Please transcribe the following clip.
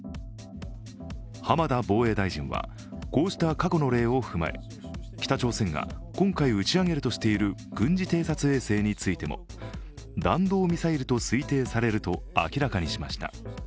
浜田防衛大臣はこうした過去の例を踏まえ、北朝鮮が今回打ち上げるとしている軍事偵察衛星についても弾道ミサイルと推定されると明らかにしました。